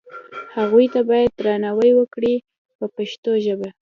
هغو ته باید درناوی وکړي په پښتو ژبه.